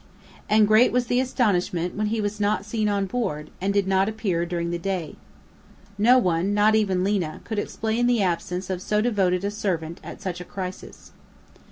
And great was the astonishment when he was not seen on board, and did not appear during the day. No one, not even Lina, could explain the absence of so devoted a servant at such a crisis.